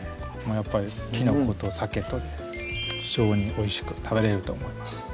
やっぱりきのことさけとで非常においしく食べれると思います